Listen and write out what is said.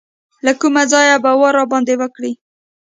له کومه ځایه به واری راباندې وکړي.